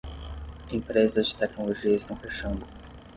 Empresas de tecnologia estão fechando